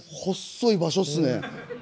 ほっそい場所っすね。